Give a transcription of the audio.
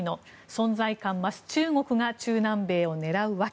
存在感増す中国が中南米を狙う訳。